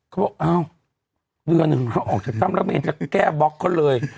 เขาก็ออกจากธ่ำแล้วเนี่ยแก้บล็อกเขาเลย